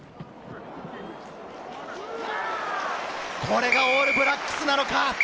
これがオールブラックスなのか。